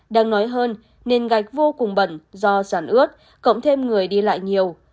đang nói hơn nền gạch vô cùng bẩn do sản ướt cộng thêm người đi lại nhiều